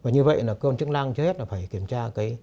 như vậy cơ quan chức năng trước hết phải kiểm tra